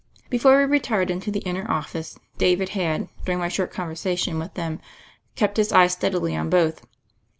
Before we retired into the inner of fice David had, during my short conversation with them, kept his eye steadily on both.